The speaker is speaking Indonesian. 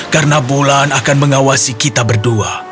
karena bulan akan mengawasi kita berdua